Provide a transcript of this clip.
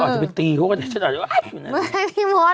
ก็อาจจะไปตีพวกเขาฉันอาจจะว่าไอ้